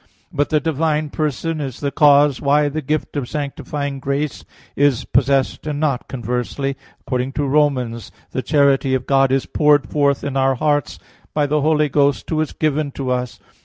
But the divine person is the cause why the gift of sanctifying grace is possessed, and not conversely, according to Rom. 5:5, "the charity of God is poured forth in our hearts by the Holy Ghost, Who is given to us."